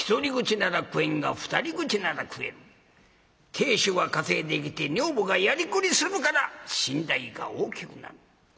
亭主は稼いできて女房がやりくりするから身代が大きくなる。